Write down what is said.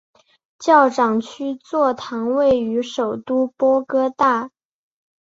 教长区座堂位于首都波哥大。